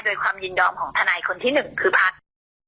โดยความยินดองของทนายคนที่หนึ่งคือพัฒน์